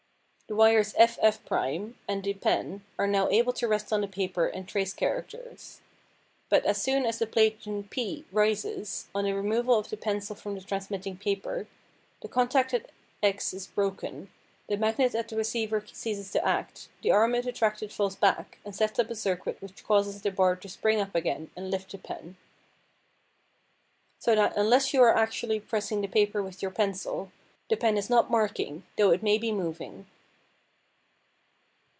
The wires FF' and the pen are now able to rest on the paper and trace characters. But as soon as the platen P rises, on the removal of the pencil from the transmitting paper, the contact at X is broken, the magnet at the receiver ceases to act, the arm it attracted falls back and sets up a circuit which causes the bar to spring up again and lift the pen. So that unless you are actually pressing the paper with your pencil, the pen is not marking, though it may be moving.